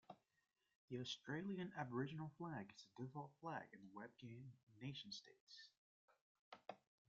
The Australian Aboriginal Flag is the default flag in the web game "NationStates".